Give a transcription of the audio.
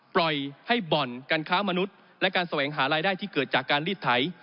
ปล่อยให้บ่อนการค้ามนุษย์และการแสวงหารายได้ที่เกิดจากการรีดไถ